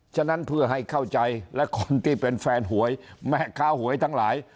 ฉะนั้นเพื่อให้เข้าใจและคนที่เป็นแฟนหวยแม่ค้าหวยทั้งหลาย